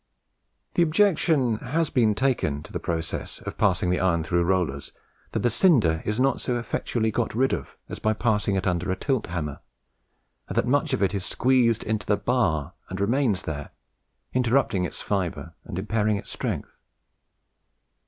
The objection has indeed been taken to the process of passing the iron through rollers, that the cinder is not so effectually got rid of as by passing it under a tilt hammer, and that much of it is squeezed into the bar and remains there, interrupting its fibre and impairing its strength.